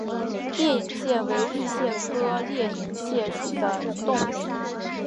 裂隐蟹为玉蟹科裂隐蟹属的动物。